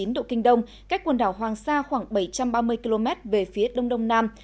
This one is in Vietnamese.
một trăm một mươi tám chín độ kinh đông cách quần đảo hoàng sa khoảng bảy trăm ba mươi km về phía đông đông nam